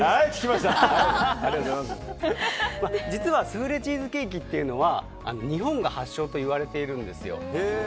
実はスフレチーズケーキというのは日本が発祥といわれているんですよ。